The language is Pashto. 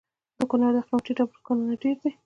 د کونړ د قیمتي ډبرو کانونه ډیر دي